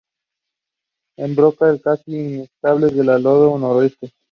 El brocal es casi inexistente en el lado noroeste.